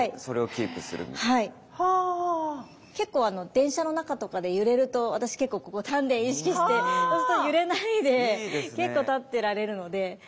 結構電車の中とかで揺れると私結構ここ丹田意識してそうすると揺れないで結構立ってられるので。